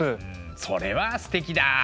それはすてきだ。